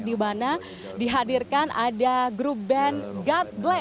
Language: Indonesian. dimana dihadirkan ada grup band god brothers